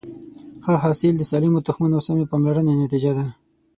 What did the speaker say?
ښه حاصل د سالمو تخمونو او سمې پاملرنې نتیجه ده.